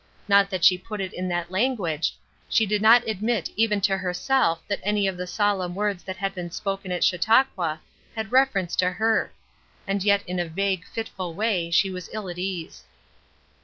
Not that she put it in that language; she did not admit even to herself that any of the solemn words that had been spoken at Chautauqua had reference to her; and yet in a vague, fitful way she was ill at ease.